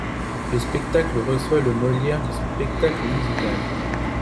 Le spectacle reçoit le Molière du spectacle musical.